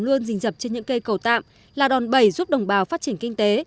luôn dình dập trên những cây cầu tạm là đòn bẩy giúp đồng bào phát triển kinh tế